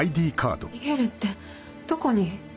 逃げるってどこに？